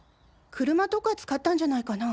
車とか使ったんじゃないかな？